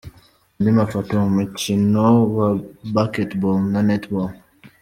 Andi mafoto mu mukino wa Baketball na Netball.